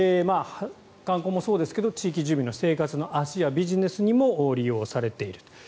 観光もそうですが地域住民の生活の足やビジネスにも利用されている。